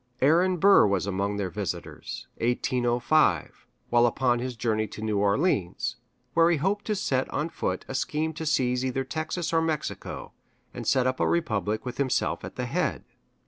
Aaron Burr was among their visitors (1805), while upon his journey to New Orleans, where he hoped to set on foot a scheme to seize either Texas or Mexico, and set up a republic with himself at the head.